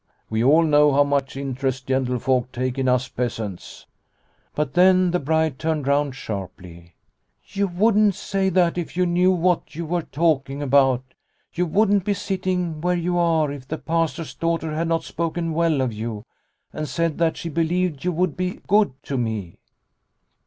We all know how much interest gentlefolk take in us peasants !" But then the bride turned round sharply :" You wouldn't say that if you knew what you io8 Liliecrona's Home were talking about. You wouldn't be sitting where you are if the Pastor's daughter had not spoken well of you, and said that she believed you would be good to me."